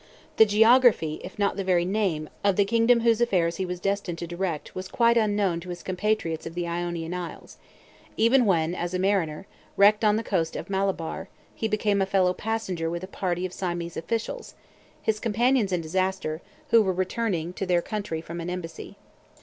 The geography, if not the very name, of the kingdom whose affairs he was destined to direct was quite unknown to his compatriots of the Ionian Isles, even when as a mariner, wrecked on the coast of Malabar, he became a fellow passenger with a party of Siamese officials, his companions in disaster, who were returning to their country from an embassy.